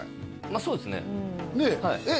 まあそうですねねえ